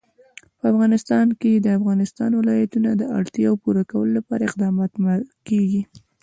په افغانستان کې د د افغانستان ولايتونه د اړتیاوو پوره کولو لپاره اقدامات کېږي.